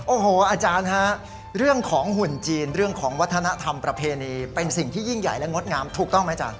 โอ้โหอาจารย์ฮะเรื่องของหุ่นจีนเรื่องของวัฒนธรรมประเพณีเป็นสิ่งที่ยิ่งใหญ่และงดงามถูกต้องไหมอาจาร